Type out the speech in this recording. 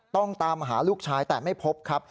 ตามหาลูกชายแต่ไม่พบครับ